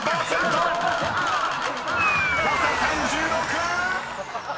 ［誤差３６！］